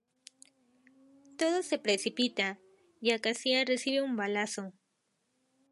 Todo se precipita, y Acacia recibe un balazo.